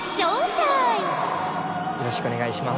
よろしくお願いします。